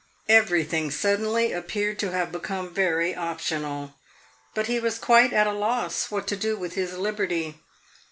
Everything suddenly appeared to have become very optional; but he was quite at a loss what to do with his liberty.